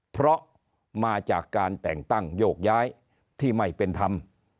เพราะมาจากการแต่งตั้งโยกย้ายที่ไม่เป็นธรรม